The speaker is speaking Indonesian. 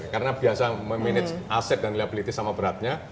karena biasa manage aset dan liabilities sama beratnya